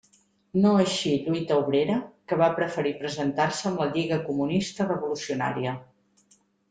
No així, Lluita Obrera, que va preferir presentar-se amb la Lliga Comunista Revolucionària.